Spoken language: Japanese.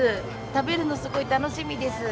食べるの、すごい楽しみです。